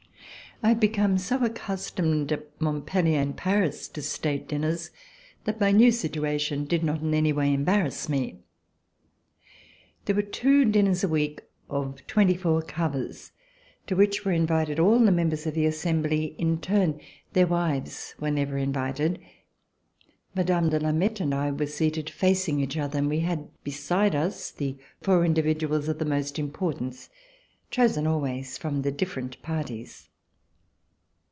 I had become so accustomed at Montj)ellier and Paris to state dinners that my new situation did not in any way embarrass me. There were two dinners a week of twenty four covers, to which were invited all the members of the Assembly in turn. Their wives were never invited. Mme. de Lamcth and I were seated facing each other, and we had be side us the four individuals of the most importance, chosen always from the different parties.